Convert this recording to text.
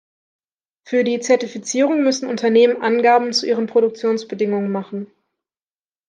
Für die Zertifizierung müssen Unternehmen Angaben zu ihren Produktionsbedingungen machen.